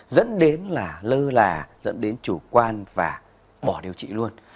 dẫn đến là lơ là dẫn đến chủ quan và bỏ điều trị luôn